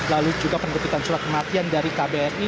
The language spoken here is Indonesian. lalu juga penerbitan surat kematian dari kbri